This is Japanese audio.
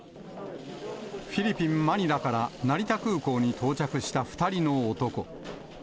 フィリピン・マニラから成田空港に到着した２人の男。